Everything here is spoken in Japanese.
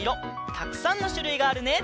たくさんのしゅるいがあるね。